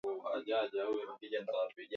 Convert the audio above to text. Chambua karanga na zikaushe